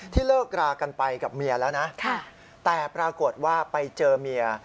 เลิกรากันไปกับเมียแล้วนะแต่ปรากฏว่าไปเจอเมีย